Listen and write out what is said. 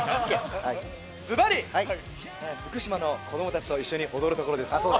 ズバリ、福島の子供たちと一緒に踊るところです。